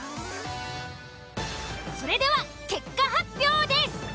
それでは結果発表です。